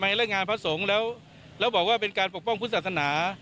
เรื่องงานพระสงฆ์แล้วแล้วบอกว่าเป็นการปกป้องพุทธศาสนา